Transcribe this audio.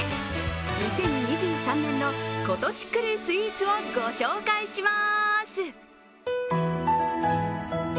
２０２３年の今年来るスイーツをご紹介します。